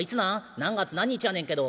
「何月何日やねんけど」。